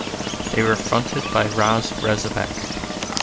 They were fronted by Rozz Rezabek.